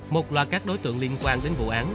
một loạt các đối tượng liên quan đến vụ án